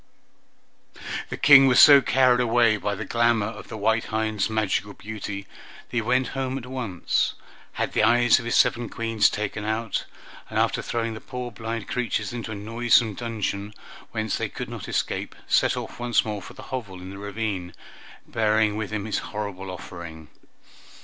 The King was so carried away by the glamor of the white hind's magical beauty that he went home at once, had the eyes of his seven Queens taken out, and, after throwing the poor blind creatures into a noisome dungeon whence they could not escape, set off once more for the hovel in the ravine, bearing with him his horrible offering.